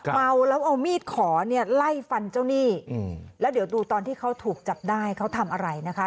เมาแล้วเอามีดขอเนี่ยไล่ฟันเจ้าหนี้แล้วเดี๋ยวดูตอนที่เขาถูกจับได้เขาทำอะไรนะคะ